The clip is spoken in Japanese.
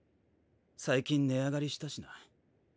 最近値上がりしたしな。